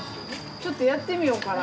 ちょっとやってみようかな。